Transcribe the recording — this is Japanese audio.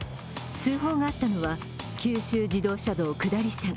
通報があったのは九州自動車道下り線。